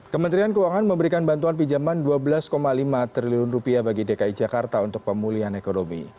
kementerian keuangan memberikan bantuan pinjaman rp dua belas lima triliun bagi dki jakarta untuk pemulihan ekonomi